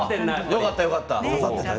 よかった、よかった。